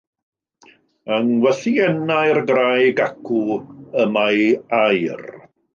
Yng ngwythiennau'r graig acw y mae aur.